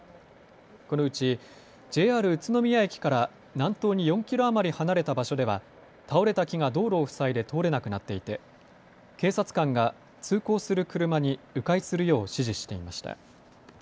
このうちＪＲ宇都宮駅から南東に４キロ余り離れた場所では倒れた木が道路を塞いで通れなくなっていて警察官が通行する車にう回するよう指示していました。